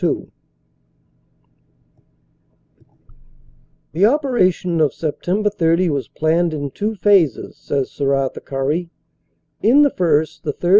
2 ^TAHE operation of Sept 30 was planned in two phases," says Sir Arthur Currie. "In the first, the 3rd.